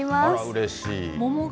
うれしい。